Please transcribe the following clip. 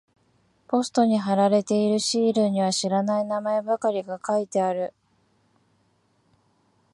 ポストに貼られているシールには知らない名前ばかりが書いてある。